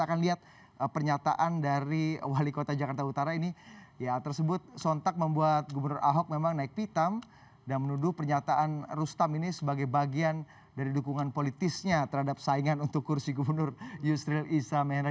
kita akan lihat pernyataan dari wali kota jakarta utara ini ya tersebut sontak membuat gubernur ahok memang naik pitam dan menuduh pernyataan rustam ini sebagai bagian dari dukungan politisnya terhadap saingan untuk kursi gubernur yusril iza menara